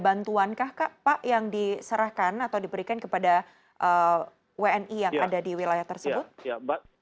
bantuankah kak pak yang diserahkan atau diberikan kepada wni yang ada di wilayah tersebut